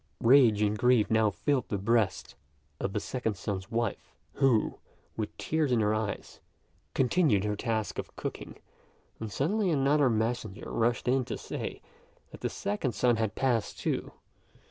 Rage and grief now filled the breast of the second son's wife, who, with tears in her eyes, continued her task of cooking, when suddenly another messenger rushed in to say, that the second son had passed, too.